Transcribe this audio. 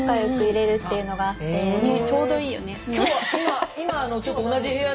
ちょうどいいよね。